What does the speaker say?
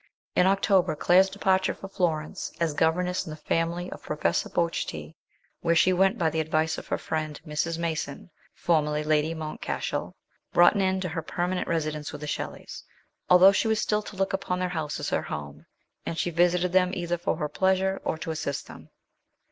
In October Claire's departure for Florence, as governess in the family of Professor Bojti, where she went by the advice of her friend Mrs. Mason, for merly Lady Mountcashell, brought an end to her per manent residence with the Shelleys, although she was still to look upon their house as her home, and she visited them either for her pleasure or to assist them.